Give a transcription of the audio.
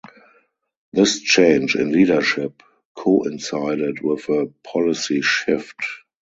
This change in leadership coincided with a policy shift.